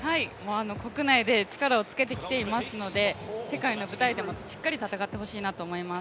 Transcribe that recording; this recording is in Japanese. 国内で力をつけてきていますので世界の舞台でもしっかり戦ってほしいなと思います。